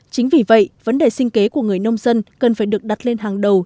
chính vì vậy vấn đề sinh kế của người nông dân cần phải được đặt lên hàng đầu